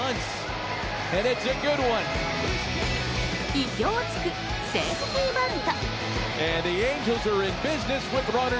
意表を突くセーフティーバント。